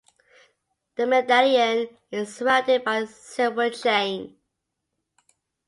The medallion is surrounded by a silver chain.